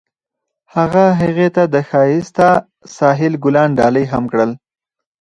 هغه هغې ته د ښایسته ساحل ګلان ډالۍ هم کړل.